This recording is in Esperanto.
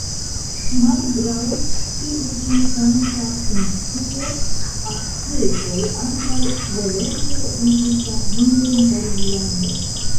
Malgraŭ tiu ĉi sankta funkcio, aztekoj ankaŭ volonte uzis la hundon por viando.